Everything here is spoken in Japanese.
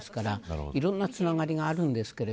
色んなつながりがあります。